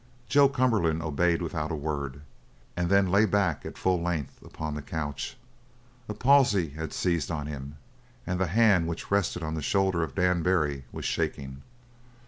Joe Cumberland obeyed without a word, and then lay back at full length upon the couch a palsy had seized on him, and the hand which rested on the shoulder of Dan Barry was shaking.